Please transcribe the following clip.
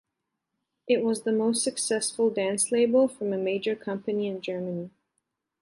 It was the most successful dance label from a major company in Germany.